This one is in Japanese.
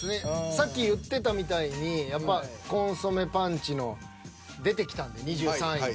さっき言ってたみたいにやっぱコンソメパンチの出てきたんで２３位で。